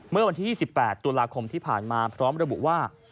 เมื่อวันที่๒๘ตุลาคมที่ผ่านมาพร้อมระบุว่า